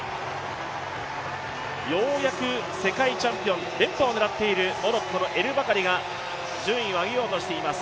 ようやく世界チャンピオン連覇を狙っているモロッコのエルバカリが順位を上げようとしています。